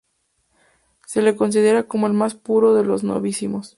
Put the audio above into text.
Se lo considera como el más puro de los novísimos.